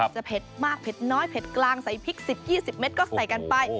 เผ็ดมากเผ็ดน้อยเผ็ดกลางใส่พริก๑๐๒๐เมตรก็ใส่กันไป